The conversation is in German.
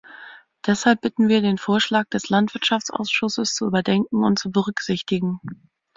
Deshalb bitten wir, den Vorschlag des Landwirtschaftsausschusses zu überdenken und zu berücksichtigen.